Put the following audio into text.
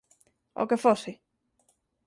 O que fose.